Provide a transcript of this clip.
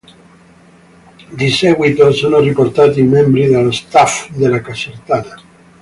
Di seguito sono riportati i membri dello staff della Casertana.